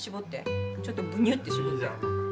ちょっとぶにゅって絞って。